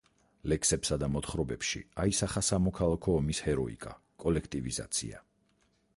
ლექსებსა და მოთხრობებში ასახა სამოქალაქო ომის ჰეროიკა, კოლექტივიზაცია.